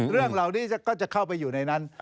เรื่องเหล่านี้ก็จะเข้าไปอยู่ในนั้น